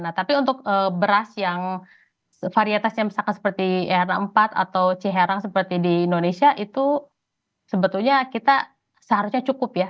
nah tapi untuk beras yang varietasnya misalkan seperti r empat atau ciharang seperti di indonesia itu sebetulnya kita seharusnya cukup ya